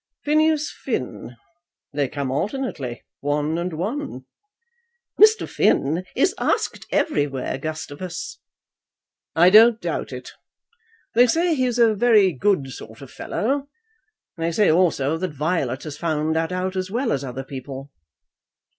"Phineas Finn. They come alternately, one and one. "Mr. Finn is asked everywhere, Gustavus." "I don't doubt it. They say he is a very good sort of fellow. They say also that Violet has found that out as well as other people."